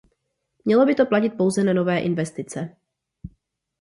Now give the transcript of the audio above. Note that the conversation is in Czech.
Mělo by to platit pouze na nové investice.